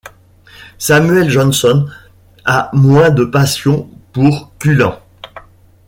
Samuel Johnson a moins de passion pour Cullen.